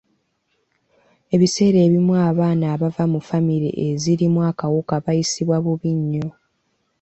Ebiseera ebimu abaana abava mu famire ezirimu akawuka bayisibwa bubi nnyo.